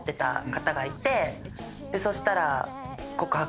そしたら。